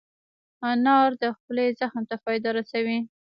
انار د خولې زخم ته فایده رسوي.